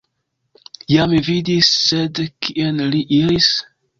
Ja, mi vidis, sed kien li iris?